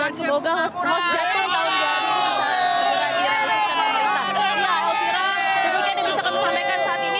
dan semoga hos jatuh tahun baru